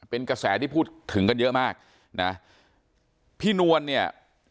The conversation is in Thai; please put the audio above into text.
เป็นกระแสที่พูดถึงกันเยอะมากนะพี่นวลเนี่ย